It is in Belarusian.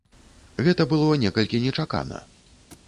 Гэта было некалькі нечакана.